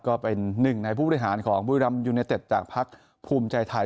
ก็เป็นหนึ่งในผู้บริหารของบุรีรัมยูเนเต็ดจากพักภูมิใจไทย